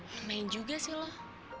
lumayan juga sih loh